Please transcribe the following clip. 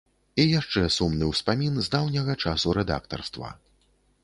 І яшчэ сумны ўспамін з даўняга часу рэдактарства.